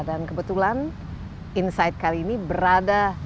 dan kebetulan insight kali ini berada di depan